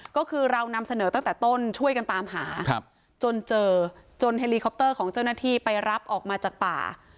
ก็คือเรานำเสนอตั้งแต่ต้นช่วยกันตามหาจนเจอจนเฮลีคอปเตอร์ของเจ้าหน้าที่ไปรับออกมาจากป่า